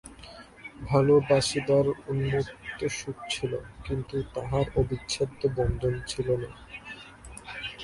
ভালোবাসিবার উন্মত্ত সুখ ছিল, কিন্তু তাহার অবিচ্ছেদ্য বন্ধন ছিল না।